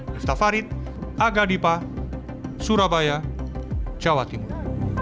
miftah farid aga dipa surabaya jawa timur